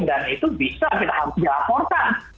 dan itu bisa kita dilaporkan